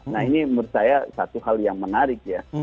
nah ini menurut saya satu hal yang menarik ya